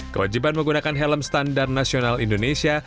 kewajiban menggunakan helm standar nasional indonesia